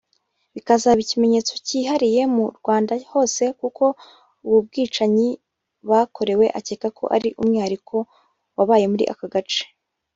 bikazaba ikimenyetso cyihariye mu Rwanda hose kuko ubu bwicanyi bakorewe akeka ko ari umwihariko wabaye muri aka gace